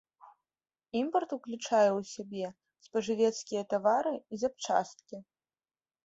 Імпарт ўключае ў сябе спажывецкія тавары і запчасткі.